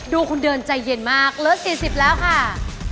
คุณเดินใจเย็นมากเลิศ๔๐แล้วค่ะ